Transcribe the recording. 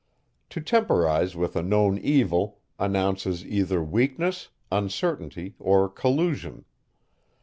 To temporize with a known evil, announces either weakness, uncertainty, or collusion.